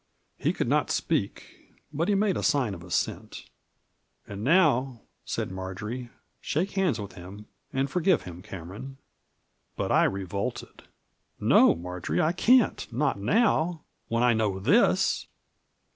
He could not speak ; but he made a sign of assent. " And now," said Marjory, " shake hands with him, and forgive him, Cameron." But I revolted :" No, Marjory, I can't ; not now — when I know this!"